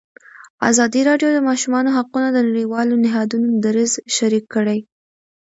ازادي راډیو د د ماشومانو حقونه د نړیوالو نهادونو دریځ شریک کړی.